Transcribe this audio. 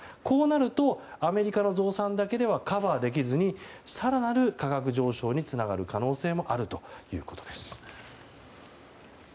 こうなるとアメリカの増産だけではカバーできずに更なる価格上昇につながる可能性もあるということです。